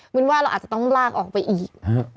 วินว่าเราอาจจะต้องลากออกไปอีก